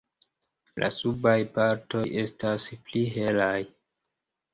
La subaj partoj estas pli helaj.